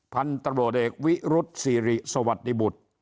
พบวิรุษรีสวัสดีบุตร